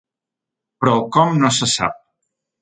Però el com no se sap.